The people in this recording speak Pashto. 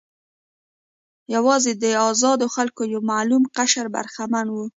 یوازې د آزادو خلکو یو معلوم قشر برخمن و.